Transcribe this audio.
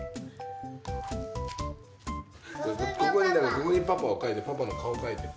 ここにパパをかいてパパのかおかいて。